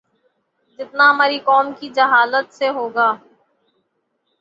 جتنا ہماری قوم کی جہالت سے ہو گا